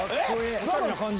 おしゃれな感じ。